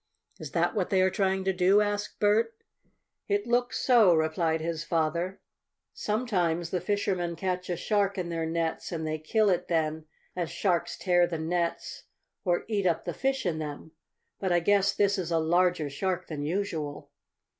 "Is that what they are trying to do?" asked Bert. "It looks so," replied his father. "Sometimes the fishermen catch a shark in their nets, and they kill it then, as sharks tear the nets, or eat up the fish in them. But I guess this is a larger shark than usual."